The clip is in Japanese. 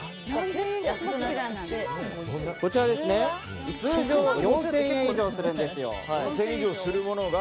こちら、通常は４０００円以上するんですよ。